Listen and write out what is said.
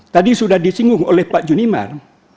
tadi sudah disinggung oleh pak junimar